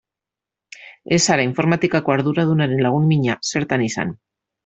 Ez zara informatikako arduradunaren lagun mina zertan izan.